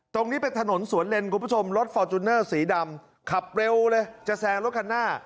ตรงนี้เป็นถนนสวนเลนคุณผู้ชมรถฟอร์จูเนอร์สีดำขับเร็วเลยจะแซงรถคันหน้า